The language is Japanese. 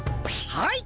はい！